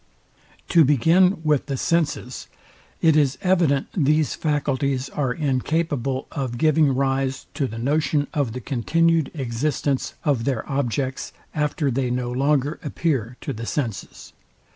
Part. II. Sect. 6. To begin with the SENSES, it is evident these faculties are incapable of giving rise to the notion of the continued existence of their objects, after they no longer appear to the senses.